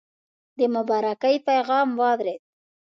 د مبارکی پیغام واورېد.